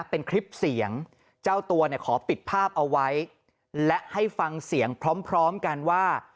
เป็นคลิปเสียงเจ้าตัวเนี่ยขอปิดภาพเอาไว้และให้ฟังเสียงพร้อมกันว่า